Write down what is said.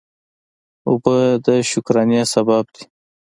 اوبه د شکرانه سبب دي.